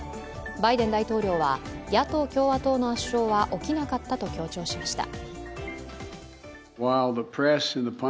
バイデン大統領は、野党・共和党の圧勝は起きなかったと強調しました。